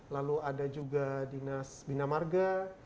lalu ada juga dinas bina marga